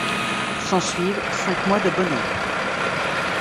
S’ensuivent cinq mois de bonheur.